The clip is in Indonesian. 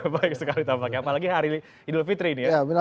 baik sekali tampaknya apalagi hari idul fitri ini ya